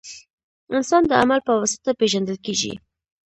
• انسان د عمل په واسطه پېژندل کېږي.